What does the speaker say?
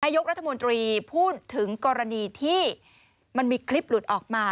ยกรัฐมนตรีพูดถึงกรณีที่มันมีคลิปหลุดออกมา